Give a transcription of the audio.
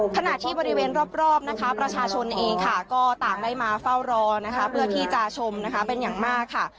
ขณะที่บริเวณรอบนะคะประชาชนเองค่ะก็ต่างได้มาเฝ้ารอนะคะเพื่อที่จะชมนะคะเป็นอย่างมากค่ะ